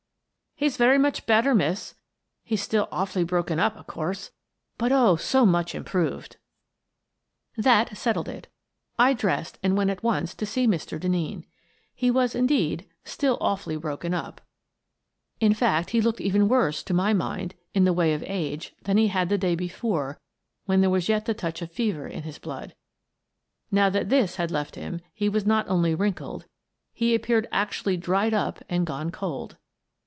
" He is very much better, miss. He is still aw fully broke up, of course, but, oh, so much im proved !" That settled it. I dressed and went at once to see Mr. Denneen. He was indeed, " still awfully broken up." In 152 Miss Frances Baird, Detective fact, he looked even worse, to my mind, in the way of age, than he had the day before when there was yet the touch of fever in his blood. Now that this had left him, he was not only wrinkled — he ap peared actually dried up and gone cold.